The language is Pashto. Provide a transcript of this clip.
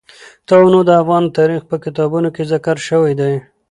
تنوع د افغان تاریخ په کتابونو کې ذکر شوی دي.